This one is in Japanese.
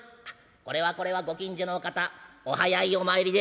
これはこれはご近所のお方お早いお参りで」。